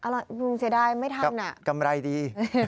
ลุงเสียดายไม่ทำน่ะกำไรดี